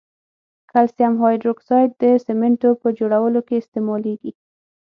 کلسیم هایدروکساید د سمنټو په جوړولو کې استعمالیږي.